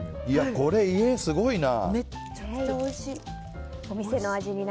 これ、家ではすごいな。